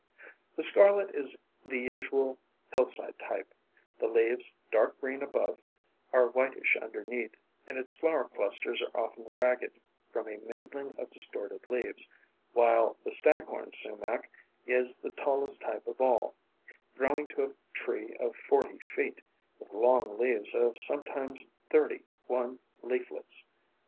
The Scarlet is the usual hillside type; the leaves, dark green above, are whitish underneath, and its flower clusters are often ragged from a mingling of distorted leaves, while the Staghorn Sumac is the tallest type of all, growing to a tree of forty feet, with long leaves of sometimes thirty one leaflets.